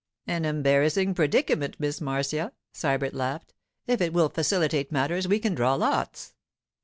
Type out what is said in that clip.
'An embarrassing predicament, Miss Marcia,' Sybert laughed. 'If it will facilitate matters we can draw lots.